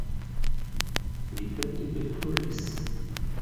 Li petveturis?